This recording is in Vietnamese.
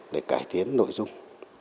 để cải tiến nội dung